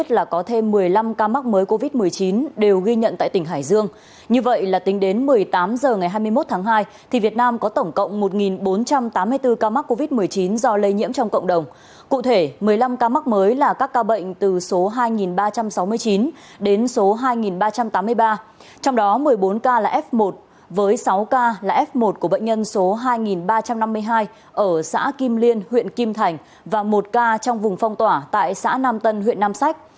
các mắc mới là các ca bệnh từ số hai ba trăm sáu mươi chín đến số hai ba trăm tám mươi ba trong đó một mươi bốn ca là f một với sáu ca là f một của bệnh nhân số hai ba trăm năm mươi hai ở xã kim liên huyện kim thành và một ca trong vùng phong tỏa tại xã nam tân huyện nam sách